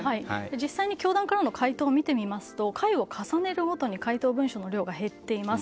実際に教団からの回答を見てみますと回を重ねるごとに回答文書の量が減っています。